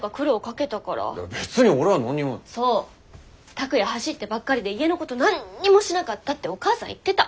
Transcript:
拓哉走ってばっかりで家のこと何にもしなかったってお義母さん言ってた。